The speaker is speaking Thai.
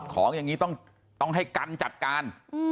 ของอย่างนี้ต้องให้กันจัดการ